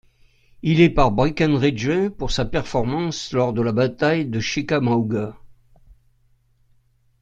Il est par Breckinridge pour sa performance lors de la bataille de Chickamauga.